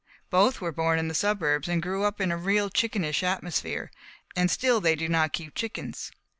Both were born in the suburbs, and grew up in a real chickenish atmosphere, and still they do not keep chickens.